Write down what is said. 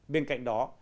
bên cạnh đó